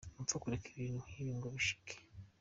"Ntupfa kureka ibintu nkibi ngo bishike.